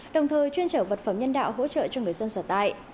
đồng thời chuyên trở vật phẩm nhân đạo hỗ trợ cho người dân sở tại